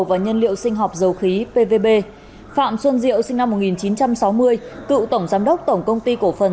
và nhân liệu sinh học dầu khí pvb phạm xuân diệu sinh năm một nghìn chín trăm sáu mươi cựu tổng giám đốc tổng công ty cổ phần